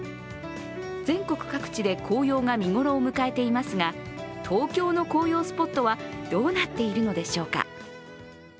全国各地で紅葉が見頃を迎えていますが東京の紅葉スポットはどうなっているのでしょうか。